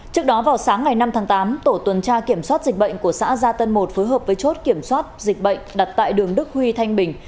trước đó vào sáng ngày năm tháng tám tổ tuần tra kiểm soát dịch bệnh của xã gia tân một phối hợp với chốt kiểm soát dịch bệnh đặt tại đường đức huy thanh bình